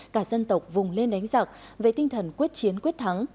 cả dân tộc vùng lên đánh giặc về tinh thần quyết chiến quyết thắng